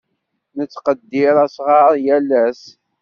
Nettqeddir asɣar yal ass.